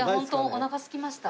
お腹すきました。